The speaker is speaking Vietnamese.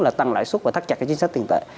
là tăng lãi suất và tắt chặt chính sách tiền tệ